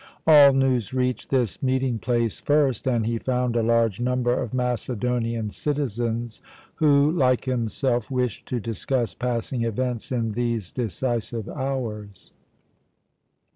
All news reached this meeting place first, and he found a large number of Macedonian citizens who, like himself, wished to discuss passing events in these decisive hours.